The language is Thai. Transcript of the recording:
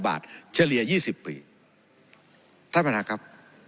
๔๐๔บาทเฉลี่ย๒๐ปีท่านพระนักครับ